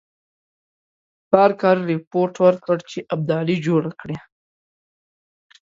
بارکر رپوټ ورکړ چې ابدالي جوړه کړې.